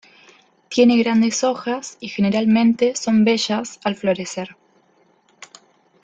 Tiene grandes hojas y generalmente son bellas al florecer.